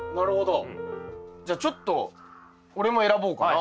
じゃちょっと俺も選ぼうかな。